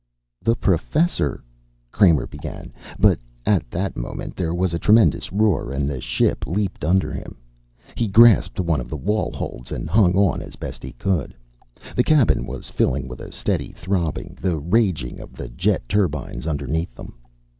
"The Professor " Kramer began, but at that moment there was a tremendous roar and the ship leaped under him. He grasped one of the wall holds and hung on as best he could. The cabin was filling with a steady throbbing, the raging of the jet turbines underneath them.